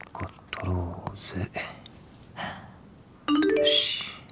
よし。